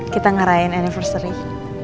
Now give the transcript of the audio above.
kita ngerayain anniversary